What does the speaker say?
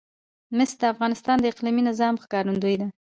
مس د افغانستان د اقلیمي نظام ښکارندوی ده.